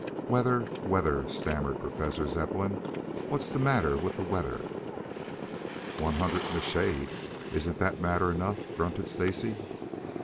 "Weather weather?" stammered Professor Zepplin. "What's the matter with the weather?" "One hundred in the shade. Isn't that matter enough?" grunted Stacy.